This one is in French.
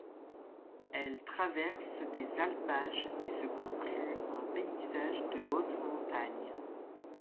Elle traverse des alpages et se conclut en paysage de haute-montagne.